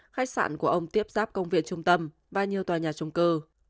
khách sạn của ông tiếp giáp công việc trung tâm và nhiều tòa nhà trung cư